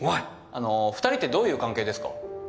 あの２人ってどういう関係ですか？